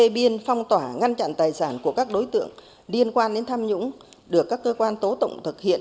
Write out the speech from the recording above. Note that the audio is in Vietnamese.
liên phong tỏa ngăn chặn tài sản của các đối tượng liên quan đến tham nhũng được các cơ quan tố tụng thực hiện